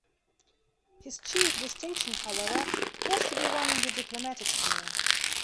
His chief distinction, however, was to be won in the diplomatic sphere.